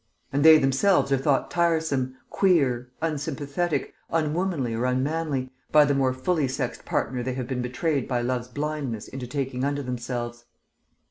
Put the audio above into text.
And they themselves are thought tiresome, queer, unsympathetic, unwomanly or unmanly, by the more fully sexed partner they have been betrayed by love's blindness into taking unto themselves.